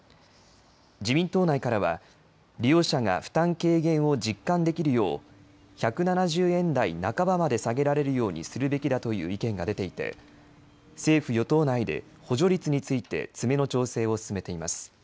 自民党内からは利用者が負担軽減を実感できるよう１７０円台半ばまで下げられるようにするべきだという意見が出ていて政府、与党内で補助率について詰めの調整を進めています。